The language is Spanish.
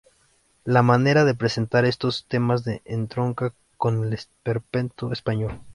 La manera de presentar estos temas le entronca con el esperpento español.